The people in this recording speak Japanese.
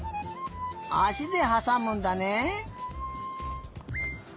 あしではさむんだね。